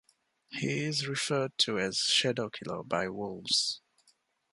He is referred to as 'Shadowkiller' by wolves.